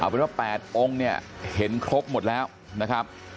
เป็นว่า๘องค์เนี่ยเห็นครบหมดแล้วนะครับ